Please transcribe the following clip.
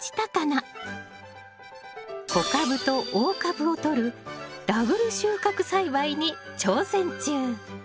小株と大株をとるダブル収穫栽培に挑戦中！